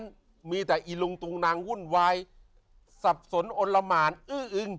นั้นมีแต่อีลุงตุงนังวุ่นวายสับสนอนละหมานอื้ออึง